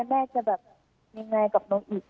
แม่จะแบบยังไงกับหนูอีก